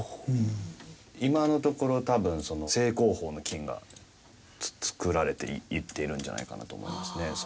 今のところ多分正攻法の金が作られていっているんじゃないかなと思いますね。